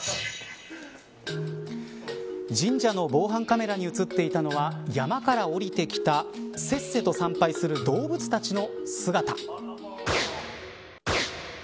神社の防犯カメラに映っていたのは山から下りてきたせっせと参拝する動物たちの姿。